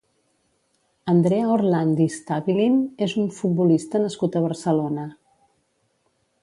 Andrea Orlandi Stabilin és un futbolista nascut a Barcelona.